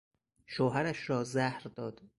شوهرش را زهر داد.